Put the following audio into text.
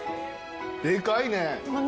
でかいね。